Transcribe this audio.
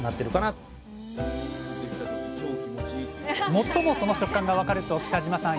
最もその食感が分かると北嶋さん